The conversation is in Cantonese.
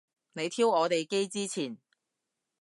你挑我哋機之前